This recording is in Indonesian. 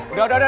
udah udah udah